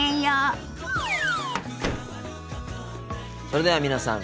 それでは皆さん